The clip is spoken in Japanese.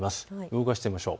動かしてみましょう。